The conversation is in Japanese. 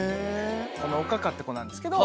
このおかかって子なんですけど。